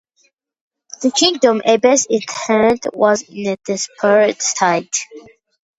The kingdom Abbas inherited was in a desperate state.